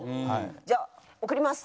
じゃあ送ります。